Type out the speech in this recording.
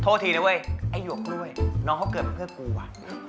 โทษทีนะเว้ยไอ้หยวกกล้วยน้องเขาเกิดมาเพื่อกูว่ะ